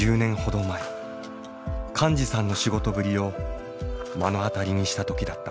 寛司さんの仕事ぶりを目の当たりにした時だった。